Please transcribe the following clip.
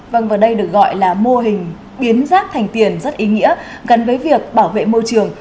vâng và đây được gọi là mô hình biến rác thành tiền rất ý nghĩa gắn với việc bảo vệ môi trường